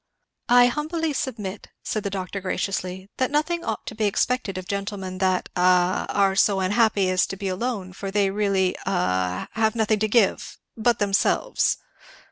"I humbly submit," said the doctor graciously, "that nothing ought to be expected of gentlemen that a are so unhappy as to be alone; for they really a have nothing to give, but themselves."